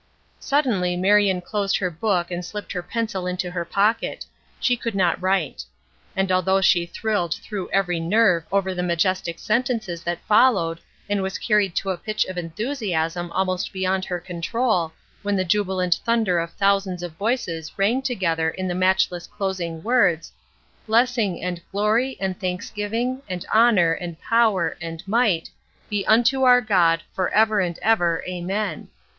Suddenly Marion closed her book and slipped her pencil into her pocket; she could not write. And although she thrilled through every nerve over the majestic sentences that followed and was carried to a pitch of enthusiasm almost beyond her control, when the jubilant thunder of thousands of voices rang together in the matchless closing words, "Blessing, and glory, and thanksgiving, and honor, and power, and might, be unto our God, forever and ever. Amen."